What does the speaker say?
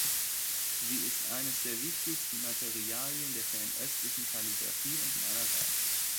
Sie ist eines der wichtigsten Materialien der fernöstlichen Kalligrafie und Malerei.